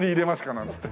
なんつって。